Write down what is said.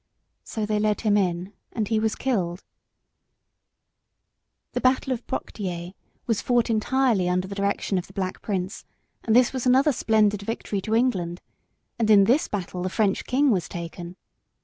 So they led him in and he was killed. [Sidenote: A.D. 1356.] The battle of Poictiers was fought entirely under the direction of the Black Prince, and this was another splendid victory to England; and in this battle the French king was taken.